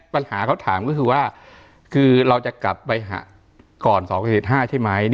ปัญหาเขาถามก็คือว่าคือเราจะกลับไปก่อน๒เหตุ๕ใช่ไหม